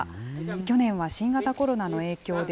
去年は新型コロナの影響で、